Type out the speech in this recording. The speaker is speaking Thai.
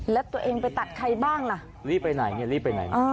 แล้วตัวเองไปตัดใครบ้างล่ะรีบไปไหนเนี่ยรีบไปไหน